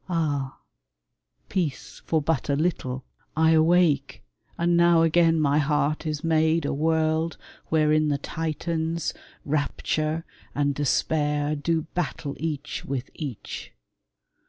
... Ah, peace for but a little ! I awake, 55 TASSO TO LEONORA And now again my heart is made a world Wherein the Titans, Rapture and Despair, Do battle each with each.